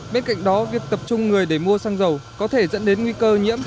bên cạnh đó việc tập trung người để mua xăng dầu có thể dẫn đến nguy cơ nhiễm